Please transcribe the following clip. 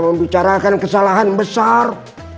membicarakan kesalahan besar